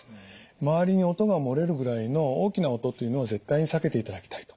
周りに音が漏れるぐらいの大きな音というのを絶対に避けていただきたい。